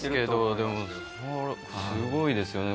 でもすごいですよね。